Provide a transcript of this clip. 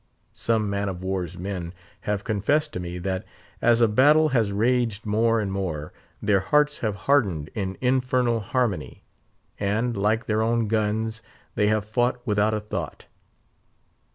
Some man of war's men have confessed to me, that as a battle has raged more and more, their hearts have hardened in infernal harmony; and, like their own guns, they have fought without a thought.